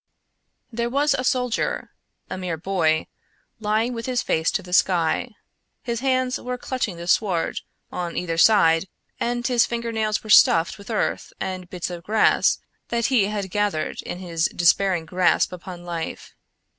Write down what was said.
There was a soldier—a mere boy—lying with his face to the sky. His hands were clutching the sward on either side and his finger nails were stuffed with earth and bits of grass that he had gathered in his despairing grasp upon life.